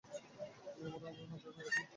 তুমি আমার বোনকে অন্যায়ভাবে মেরে ফেললে, বাবা।